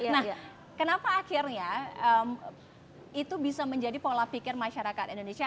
nah kenapa akhirnya itu bisa menjadi pola pikir masyarakat indonesia